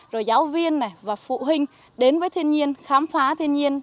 rồi giáo viên này và phụ huynh đến với thiên nhiên khám phá thiên nhiên